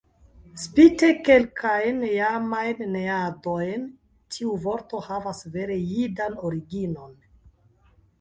Spite kelkajn jamajn neadojn, tiu vorto havas vere jidan originon.